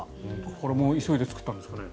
これも急いで作ったんですかね？